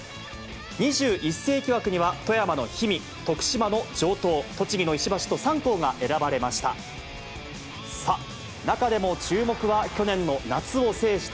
２１世紀枠には、富山の氷見、徳島の城東、栃木の石橋と、３校が選ばれました。